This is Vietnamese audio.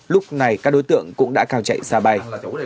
lúc này các đối tượng cũng đã cao chạy xa bay